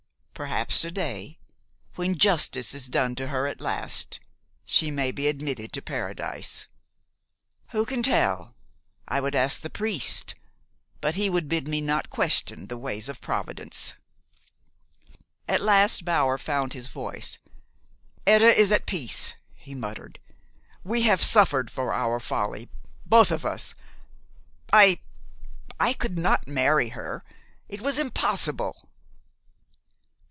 Perhaps to day, when justice is done to her at last, she may be admitted to Paradise. Who can tell? I would ask the priest; but he would bid me not question the ways of Providence." At last Bower found his voice. "Etta is at peace," he muttered. "We have suffered for our folly both of us. I I could not marry her. It was impossible."